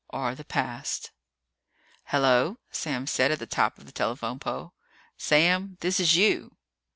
Or the past. "Hello!" said Sam, up at the top of the telephone pole. "Sam, this is you."